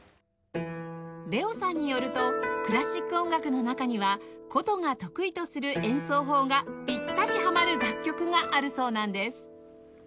ＬＥＯ さんによるとクラシック音楽の中には箏が得意とする演奏法がピッタリハマる楽曲があるそうなんです